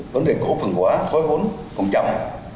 vấn đề cổ phần hóa khói hốn công trọng